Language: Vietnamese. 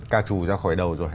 ca trù ra khỏi đầu rồi